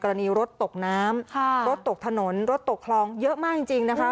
รถตกน้ำรถตกถนนรถตกคลองเยอะมากจริงนะคะ